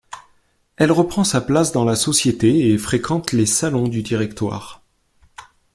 Elle reprend sa place dans la société et fréquente les salons du Directoire.